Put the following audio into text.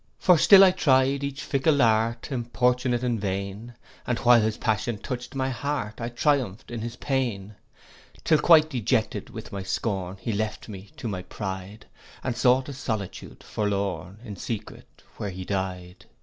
'For still I try'd each fickle art, Importunate and vain; And while his passion touch'd my heart, I triumph'd in his pain. 'Till quite dejected with my scorn, He left me to my pride; And sought a solitude forlorn, In secret where he died.